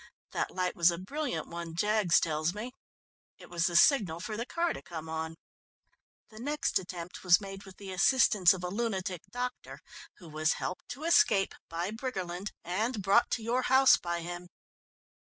That light was a brilliant one, Jaggs tells me. It was the signal for the car to come on. The next attempt was made with the assistance of a lunatic doctor who was helped to escape by Briggerland, and brought to your house by him.